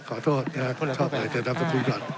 ขอโทษนะครับ